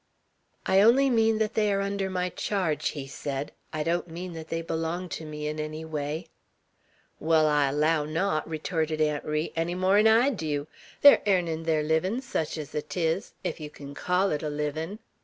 "I only mean that they are under my charge," he said. "I don't mean that they belong to me in any way." "Wall, I allow not," retorted Aunt Ri, "enny more 'n I dew. They air airnin' their livin', sech 's 'tis, ef yer kin call it a livin'.